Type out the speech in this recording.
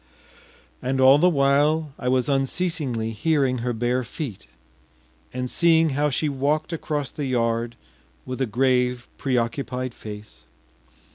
” And all the while I was unceasingly hearing her bare feet, and seeing how she walked across the yard with a grave, preoccupied face.